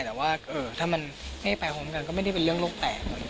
แต่ว่าถ้ามันไม่ไปพร้อมกันก็ไม่ได้เป็นเรื่องโลกแตก